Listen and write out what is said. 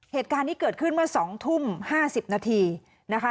เหตุการณ์นี้เกิดขึ้นเมื่อ๒ทุ่ม๕๐นาทีนะคะ